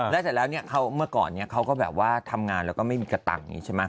แล้วแต่แล้วเนี่ยเขาเมื่อก่อนเนี่ยเขาก็แบบว่าทำงานแล้วก็ไม่มีกระต่างนี้ใช่ไหม